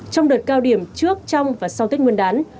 trong đợt cao điểm trước trong và sau tết nguyên đán